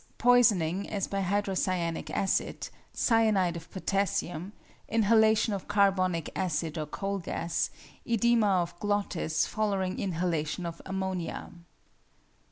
Poisoning, as by hydrocyanic acid, cyanide of potassium, inhalation of carbonic acid or coal gas, oedema of glottis following inhalation of ammonia.